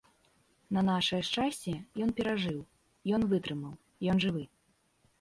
На нашае шчасце, ён перажыў, ён вытрымаў, ён жывы.